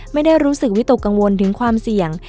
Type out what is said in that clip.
ไม่ได้รู้สึกวิตกกังวลถึงความเสี่ยง